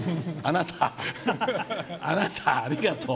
あなた、ありがとう。